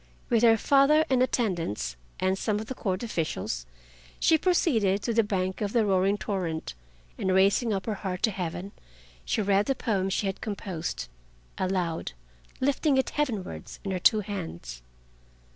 With her father and attendants and some of the Court officials, she proceeded to the bank of the roaring torrent and raising up her heart to Heaven, she read the poem she had composed, aloud, lifting it heavenwards in her two hands.